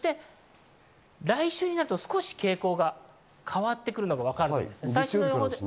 来週になると少し傾向が変わってくるのが分かります。